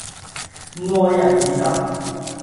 愛人以德